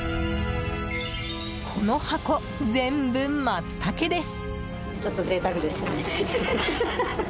この箱全部マツタケです。